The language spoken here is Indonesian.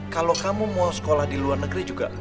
kalau kamu mau sekolah di luar negeri juga